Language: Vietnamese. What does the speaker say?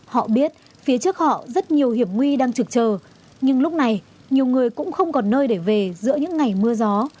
họ biết phía trước họ rất nhiều hiểm nguy đang trực chờ nhưng lúc này nhiều người cũng không còn nơi để về giữa những ngày mưa gió